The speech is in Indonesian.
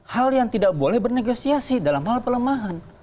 hal yang tidak boleh bernegosiasi dalam hal pelemahan